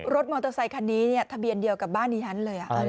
รถมอเตอร์ไซคันนี้เนี่ยทะเบียนเดียวกับบ้านนี้นั้นเลย